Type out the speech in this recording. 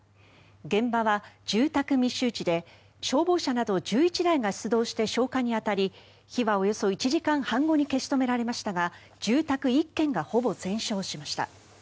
現場は住宅密集地で消防車など１１台が出動して消火に当たり火はおよそ１時間半後に消し止められましたが住宅１軒がほぼ全焼しました。